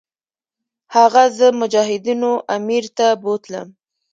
هغه زه مجاهدینو امیر ته بوتلم.